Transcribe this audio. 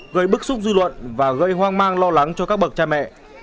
giúp dư luận và gây hoang mang lo lắng cho các bậc cha mẹ